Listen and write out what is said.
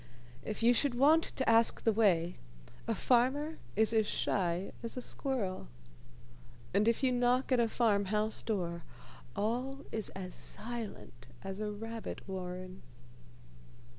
If you should want to ask the way, a farmer is as shy as a squirrel, and if you knock at a farm house door, all is as silent as a rabbit warren.